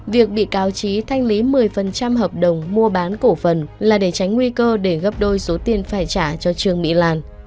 việc bị cáo trí thanh lý một mươi hợp đồng mua bán cổ phần là để tránh nguy cơ để gấp đôi số tiền phải trả cho trường mỹ lan